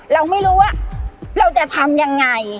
เราไม่รู้ว่าเราจะทำยังไง